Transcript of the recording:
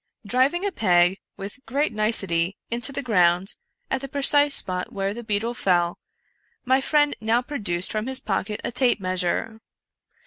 Dri\ ing a peg. with great nicet\;. into the ground, at the precise spot where the beetle fell, my friend now produced from his pocket a tape measure.